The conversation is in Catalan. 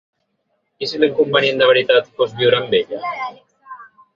I si l’inconvenient de veritat fos viure amb ella?